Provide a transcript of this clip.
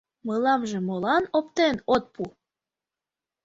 Мыламже молан оптен от пу?